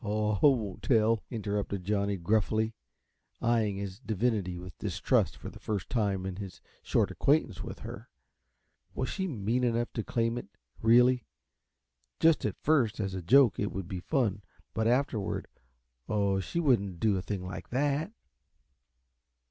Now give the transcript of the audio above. "Aw, I won't tell," interrupted Johnny, gruffly, eying his divinity with distrust for the first time in his short acquaintance with her. Was she mean enough to claim it really? Just at first, as a joke, it would be fun, but afterward, oh, she wouldn't do a thing like that!